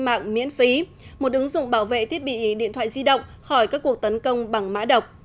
mạng miễn phí một ứng dụng bảo vệ thiết bị điện thoại di động khỏi các cuộc tấn công bằng mã độc